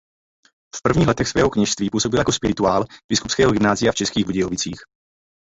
V prvních letech svého kněžství působil jako spirituál Biskupského gymnázia v Českých Budějovicích.